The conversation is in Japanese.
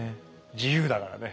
自由だからね。